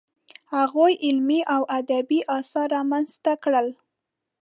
هغوی علمي او ادبي اثار رامنځته کړل.